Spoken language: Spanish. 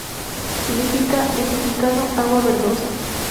Significa en mejicano -agua verdosa-.